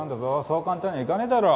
そう簡単にはいかねえだろ。